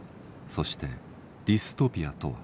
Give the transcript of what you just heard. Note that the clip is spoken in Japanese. そしてディストピアとは」。